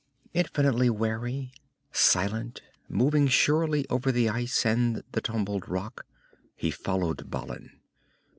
Infinitely wary, silent, moving surely over the ice and the tumbled rock, he followed Balin.